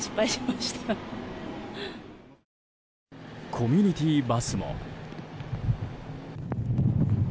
コミュニティーバスも。